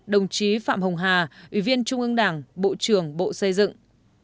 ba mươi ba đồng chí phạm hồng hà ủy viên trung ương đảng bộ trưởng bộ xây dựng